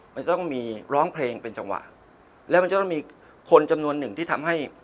มันจะต้องมีร้องเพลงเป็นจังหวะแล้วมันจะต้องมีคนจำนวนหนึ่งที่ทำให้